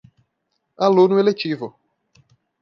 Aluno eletivo